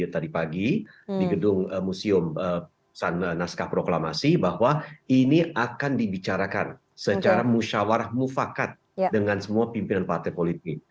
tadi pagi di gedung museum naskah proklamasi bahwa ini akan dibicarakan secara musyawarah mufakat dengan semua pimpinan partai politik